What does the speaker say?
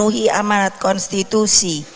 buna memenuhi amanat konstitusi